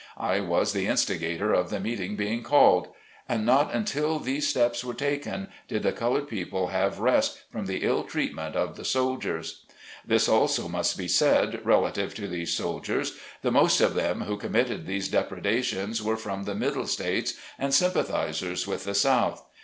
I was the instigator of the meeting being called. And not until these steps were taken did the colored people have rest from the ill treatment of the soldiers. This, also, must be said, relative to these soldiers : the most of them who committed these depredations were from the Middle States, and sympathizers with the South.